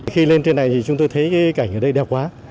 khi lên trên này thì chúng tôi thấy cái cảnh ở đây đeo quá